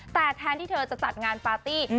แต่แทนที่เธอจะจัดงานปาร์ตี้